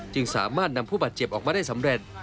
จึงสามารถนำผู้บาดเจ็บออกมาได้สำเร็จ